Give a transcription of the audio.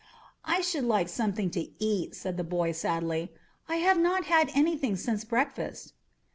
"I should like something to eat,"' said the boy sadly. "I have not had anything since breakfast."